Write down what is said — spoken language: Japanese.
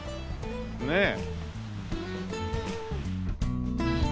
ねえ。